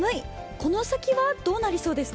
この先はどうなりそうですか？